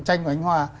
tranh của anh hòa